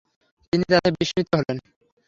তিনি তাতে বিস্মিত হলেন।